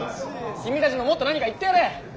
君たちももっと何か言ってやれ。